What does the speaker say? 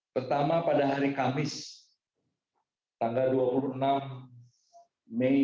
termasuk koordinasi kami dengan pihak pihak terkait di swiss ini